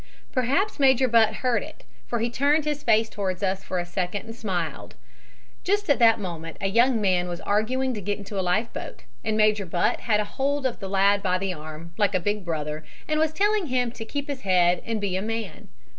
Perhaps Major Butt heard it, for he turned his face towards us for a second and smiled. Just at that moment, a young man was arguing to get into a life boat, and Major Butt had a hold of the lad by the arm, like a big brother, and was telling him to keep his head and be a man.